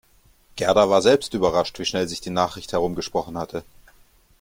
Gerda war selbst überrascht, wie schnell sich die Nachricht herumgesprochen hatte.